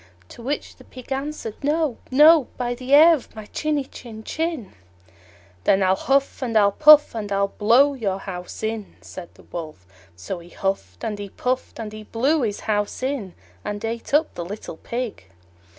To which the Pig answered, "No, no, by the hair of my chinny chin chin." "Then I'll huff and I'll puff, and I'll blow your house in!" said the Wolf. So he huffed and he puffed, and he blew his house in, and ate up the little Pig.